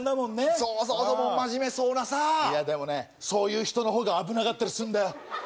そうそうそうもう真面目そうなさいやでもねそういう人の方が危なかったりすんだよ